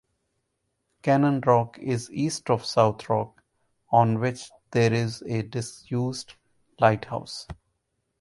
Cannon Rock is east of South Rock, on which there is a disused lighthouse.